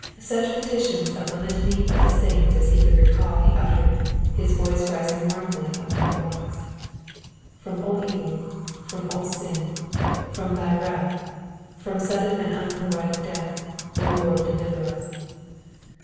Such petitions of the Litany of the Saints as he could recall he uttered, his voice rising mournfully among the rocks. _"From all evil; from all sin; from Thy wrath; from sudden and unprovided death, O Lord, deliver us!"